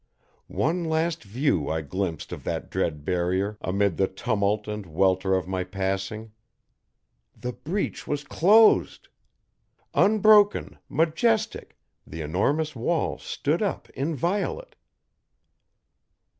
One last view I glimpsed of that dread Barrier, amid the tumult and welter of my passing. The breach was closed! Unbroken, majestic, the enormous Wall stood up inviolate.